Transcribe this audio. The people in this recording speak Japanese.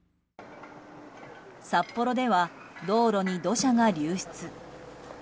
札幌では道路に土砂が流出。